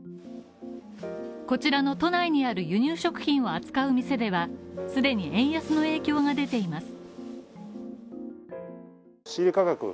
こちらの都内にある輸入食品を扱う店では既に円安の影響が出ています。